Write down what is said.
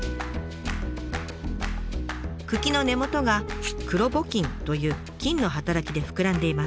茎の根元が黒穂菌という菌の働きで膨らんでいます。